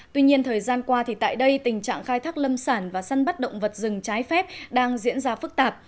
tuy nhiên thời gian qua tại đây tình trạng khai thác lâm sản và săn bắt động vật rừng trái phép đang diễn ra phức tạp